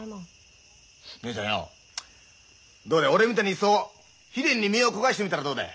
姉ちゃんよどうだい俺みたいにいっそ悲恋に身を焦がしてみたらどうだい？